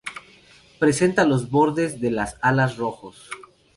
Presenta los bordes de las alas rojos.